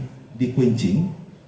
nah waktu di quencing